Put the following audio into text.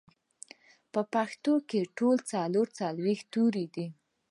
پښتو کې ټول څلور څلوېښت توري دي